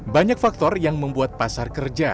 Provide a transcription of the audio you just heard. banyak faktor yang membuat pasar kerja